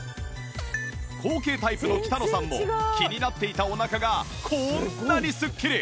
後傾タイプの北野さんも気になっていたお腹がこんなにスッキリ！